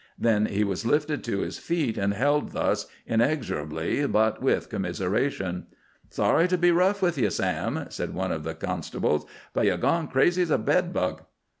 Then he was lifted to his feet, and held thus, inexorably but with commiseration. "Sorry to be rough with ye, Sam," said one of the constables, "but ye've gone crazy as a bed bug."